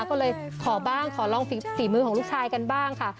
ก็เลยขอบ้างขอลองฝีมือของลูกชายกันบ้างค่ะ